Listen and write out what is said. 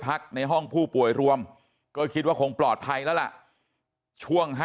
พักในห้องผู้ป่วยรวมก็คิดว่าคงปลอดภัยแล้วล่ะช่วง๕